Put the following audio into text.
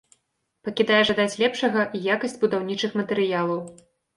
Пакідае жадаць лепшага і якасць будаўнічых матэрыялаў.